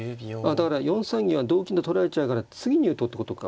だから４三銀は同金と取られちゃうから次に打とうってことか。